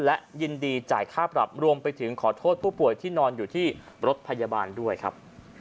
และยินดีจ่ายค่าปรับรวมไปถึงขอโทษผู้ป่วยที่นอนอยู่ที่รถพยาบาลด้วยครับ